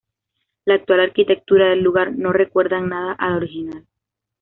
La actual arquitectura del lugar no recuerda en nada a la original.